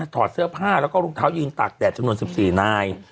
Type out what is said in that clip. ถอดเสื้อผ้าแล้วก็รองเท้ายืนตากแดดจำนวน๑๔นาย